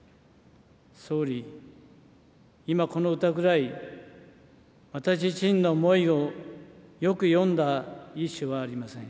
総理、今この歌ぐらい、私自身の思いをよく詠んだ一首はありません。